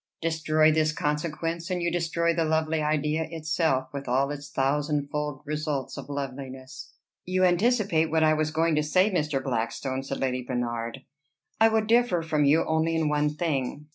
Destroy this consequence, and you destroy the lovely idea itself, with all its thousand fold results of loveliness." "You anticipate what I was going to say, Mr. Blackstone," said Lady Bernard. "I would differ from you only in one thing.